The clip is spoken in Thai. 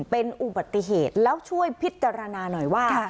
เป็นอุบัติเหตุแล้วช่วยพิจารณาหน่อยว่า